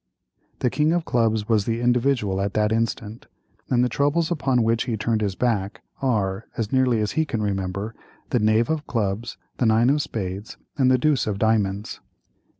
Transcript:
The king of clubs was the Individual at that instant, and the troubles upon which he turned his back are, as nearly as he can remember, the knave of clubs, the nine of spades, and the deuce of diamonds.